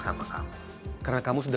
sama sama karena kamu sudah